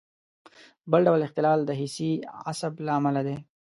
بل ډول اختلال د حسي عصب له امله دی.